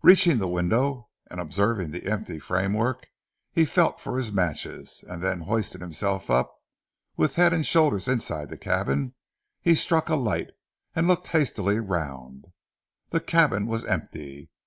Reaching the window, and observing the empty framework he felt for his matches, and then hoisting himself up, with head and shoulders inside the cabin, he struck a light and looked hastily round. The cabin was empty.